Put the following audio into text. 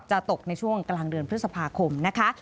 ตกในช่วงกลางเดือนพฤษภาคมนะคะ